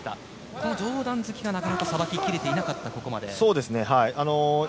この上段突きがなかなかさばき切れていなかったここまで。